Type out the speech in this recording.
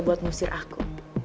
buat ngusir aku